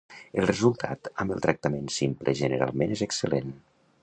El resultat amb el tractament simple generalment és excel·lent.